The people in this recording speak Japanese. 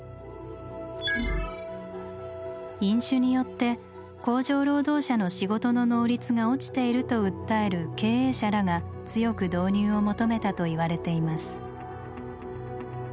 飲酒によって工場労働者の仕事の能率が落ちていると訴える経営者らが強く導入を求めたといわれています。